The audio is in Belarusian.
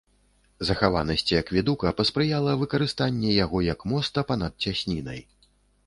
Захаванасці акведука паспрыяла выкарыстанне яго як моста па-над цяснінай.